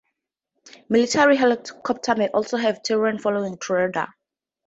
Military helicopters may also have terrain-following radar.